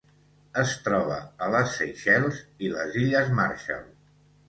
Es troba a les Seychelles i les illes Marshall.